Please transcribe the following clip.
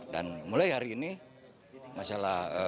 dan mulai hari ini masalah